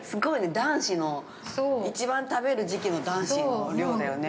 男子の一番食べる時期の男子の量だよね。